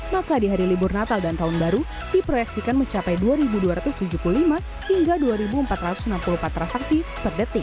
maka di hari libur natal dan tahun baru diproyeksikan mencapai dua dua ratus tujuh puluh lima hingga dua empat ratus enam puluh empat transaksi per detik